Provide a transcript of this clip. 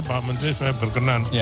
pak menteri saya berkenan